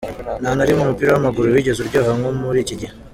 Ntana rimwe umupira w’amaguru wigeze uryoha nko muri iki gihe.